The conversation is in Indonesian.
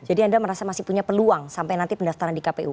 jadi anda merasa masih punya peluang sampai nanti pendaftaran di kpu